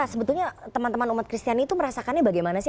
sebetulnya teman teman umat kristiani itu merasakannya bagaimana sih